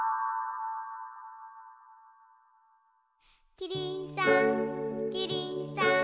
キリンさんキリンさん